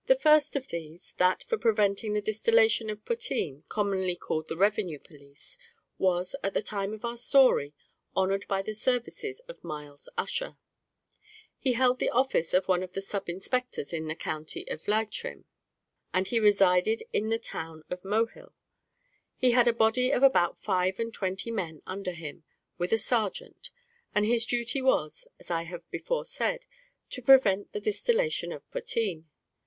The first of these that for preventing the distillation of potheen, commonly called the revenue police was, at the time of our story, honoured by the services of Myles Ussher. He held the office of one of the sub inspectors in the county of Leitrim, and he resided in the town of Mohill; he had a body of about five and twenty men under him, with a sergeant; and his duty was, as I have before said, to prevent the distillation of potheen.